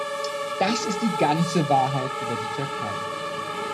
Das ist die ganze Wahrheit über die Türkei.